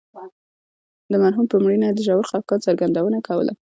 د مرحوم په مړینه یې د ژور خفګان څرګندونه کوله.